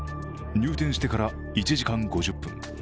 入店してから１時間５０分。